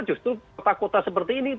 justru kota kota seperti ini